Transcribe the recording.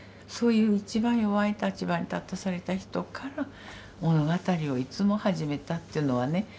そういう一番弱い立場に立たされた人から物語をいつも始めたっていうのはね